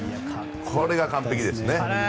これが完璧ですね。